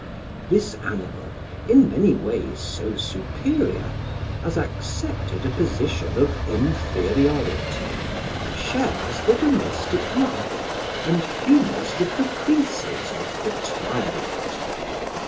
This animal, in many ways so superior, has accepted a position of inferiority, shares the domestic life, and humours the caprices of the tyrant.